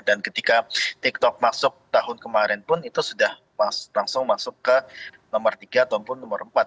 dan ketika tiktok masuk tahun kemarin pun itu sudah langsung masuk ke nomor tiga ataupun nomor empat